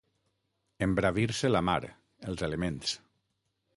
Embravir-se la mar, els elements.